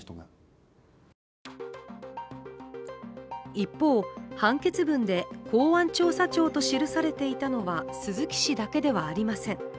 一方、判決文で公安調査庁と記されていたのは鈴木氏だけではありません。